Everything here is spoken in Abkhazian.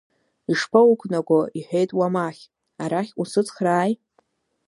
Ишԥауқәнаго, — иҳәеит Уамахь, арахь усыцхрааи!